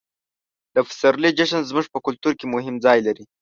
د پسرلي جشن زموږ په کلتور کې مهم ځای لري.